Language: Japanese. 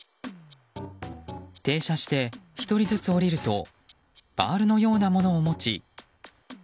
停車して１人ずつ降りるとバールのようなものを持ち。